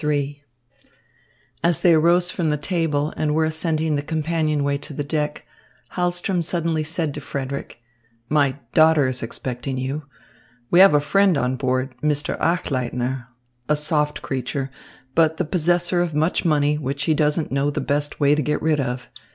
XXIII As they arose from table and were ascending the companionway to the deck, Hahlström suddenly said to Frederick: "My daughter is expecting you. We have a friend on board, Mr. Achleitner, a soft creature, but the possessor of much money, which he doesn't know the best way to get rid of.